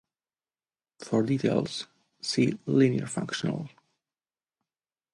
For details, see linear functional.